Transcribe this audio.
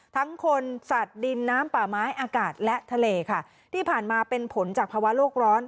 ทั้งคนสัตว์ดินน้ำป่าไม้อากาศและทะเลค่ะที่ผ่านมาเป็นผลจากภาวะโลกร้อน